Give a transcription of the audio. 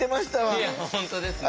いや本当ですね。